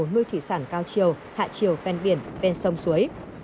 nơi thị sản cao chiều hạ chiều ven biển ven sông suối